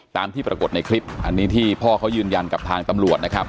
ตามที่ปรากฏในคลิปอันนี้ที่พ่อเขายืนยันกับทางตำรวจนะครับ